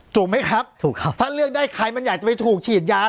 ถูกไหมครับถูกครับถ้าเลือกได้ใครมันอยากจะไปถูกฉีดยา